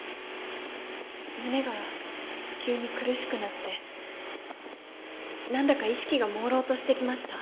胸が急に苦しくなって何だか意識が朦朧としてきました。